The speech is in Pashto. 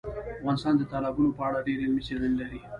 افغانستان د تالابونو په اړه ډېرې علمي څېړنې لري.